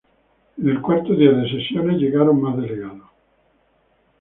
En el cuarto día de sesiones llegaron más delegados.